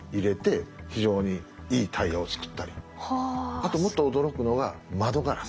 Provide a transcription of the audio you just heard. あともっと驚くのが窓ガラス。